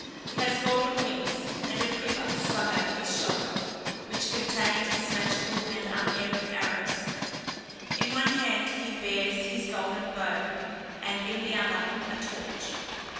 He has golden wings, and a quiver slung over his shoulder, which contained his magical and unerring arrows; in one hand he bears his golden bow, and in the other a torch.